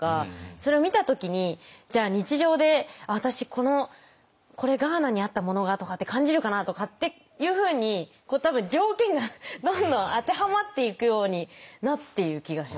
それを見た時にじゃあ日常で私これガーナにあったものがとかって感じるかなとかっていうふうに多分条件がどんどん当てはまっていくようになっている気がします。